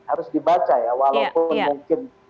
harus dibaca ya walaupun mungkin